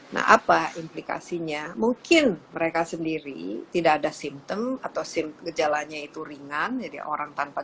nah apa implikasinya mungkin mereka sendiri tidak ada simptom atau gejalanya itu ringan jadi orang tanpa